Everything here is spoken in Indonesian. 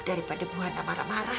daripada bu hana marah marah